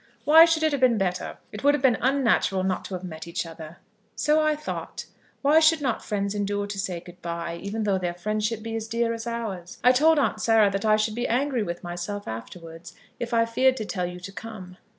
"Why should it have been better? It would have been unnatural not to have met each other." "So I thought. Why should not friends endure to say good bye, even though their friendship be as dear as ours? I told Aunt Sarah that I should be angry with myself afterwards if I feared to tell you to come."